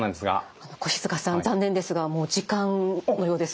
越塚さん残念ですがもう時間のようです。